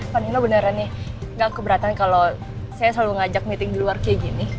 vanila beneran nih gak keberatan kalau saya selalu ngajak meeting di luar kayak gini